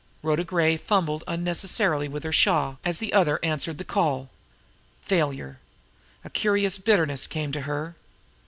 Rhoda Gray fumbled unnecessarily with her shawl, as the other answered the call. Failure! A curious bitterness came to her.